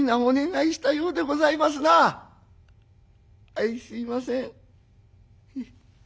あいすいません。